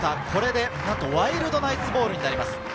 これでワイルドナイツボールになります。